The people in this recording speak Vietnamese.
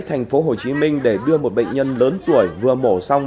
thành phố hồ chí minh để đưa một bệnh nhân lớn tuổi vừa mổ xong